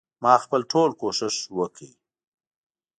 ما خپل ټول کوښښ وکړ.